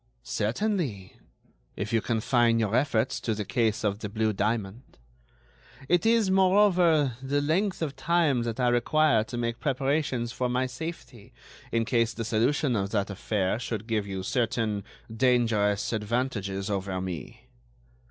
"Certainly, if you confine your efforts to the case of the blue diamond. It is, moreover, the length of time that I require to make preparations for my safety in case the solution of that affair should give you certain dangerous advantages over me."